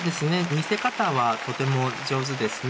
見せ方はとても上手ですね。